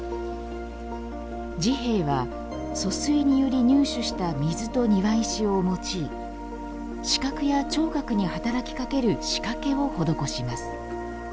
治兵衛は、疏水により入手した水と庭石を用い視覚や聴覚に働きかける仕掛けを施します。